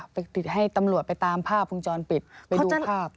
ไปติดให้ตำรวจไปตามภาพภูมิจรปิดไปดูภาพ